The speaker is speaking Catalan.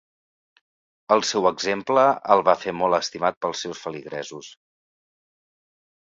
El seu exemple el va fer molt estimat pels seus feligresos.